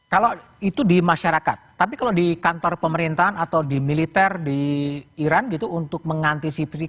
kalau itu di masyarakat tapi kalau di kantor pemerintahan atau di militer di iran gitu untuk mengantisipasi